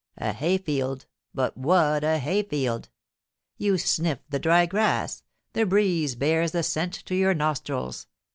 A hay field — but what a hay field ! You sniff" the dry grass — the breeze bears the scent to your nostrils.